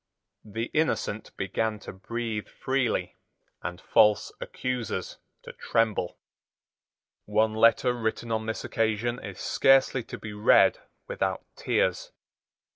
The innocent began to breathe freely, and false accusers to tremble. One letter written on this occasion is scarcely to be read without tears.